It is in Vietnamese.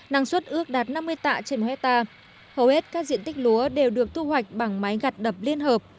năng suất ước đạt năm mươi tạ trên một hectare hầu hết các diện tích lúa đều được thu hoạch bằng máy gặt đập liên hợp